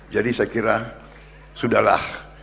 jadi saya kira sudahlah